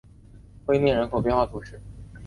威涅人口变化图示